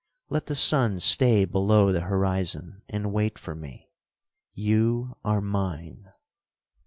Let the sun stay below the horizon and wait for me. You are mine!'